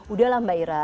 udah lah mbak ira